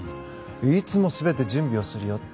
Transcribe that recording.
いつも全て準備をするよと。